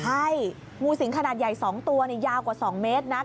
ใช่งูสิงขนาดใหญ่๒ตัวยาวกว่า๒เมตรนะ